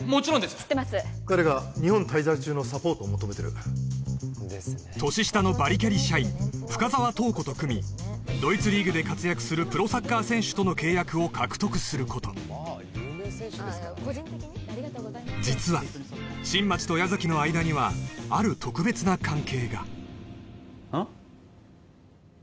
知ってます彼が日本滞在中のサポートを求めてる年下のバリキャリ社員深沢塔子と組みドイツリーグで活躍するプロサッカー選手との契約を獲得すること実は新町と矢崎の間にはある特別な関係がうん？